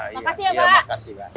makasih ya pak